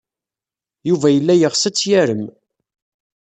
Yuba yella yeɣs ad tt-yarem.